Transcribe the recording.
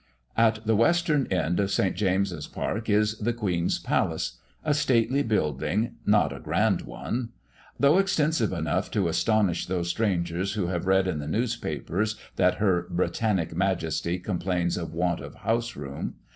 At the western end of St. James's park is the Queen's palace a stately building not a grand one; though extensive enough to astonish those strangers who have read in the newspapers that Her Britannic Majesty complains of want of houseroom.